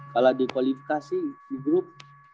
kalau di kualifikasi di grup